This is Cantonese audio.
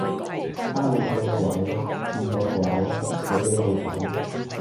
啊亂個鬼，賤個鬼，死俾你睇